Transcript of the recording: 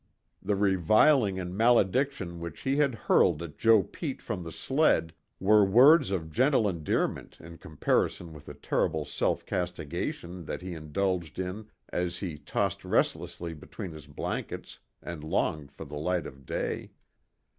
The reviling and malediction which he had hurled at Joe Pete from the sled were words of gentle endearment in comparison with the terrible self castigation that he indulged in as he tossed restlessly between his blankets and longed for the light of day.